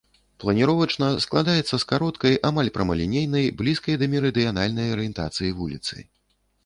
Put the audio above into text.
Планіровачна складаецца з кароткай, амаль прамалінейнай, блізкай да мерыдыянальнай арыентацыі вуліцы.